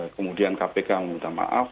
kemudian kpk meminta maaf